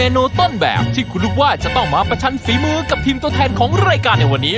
โงงไหมที่ลุกว่ามันจะยำหรือมันจะผัดไทยอะไรอย่างเงี้ย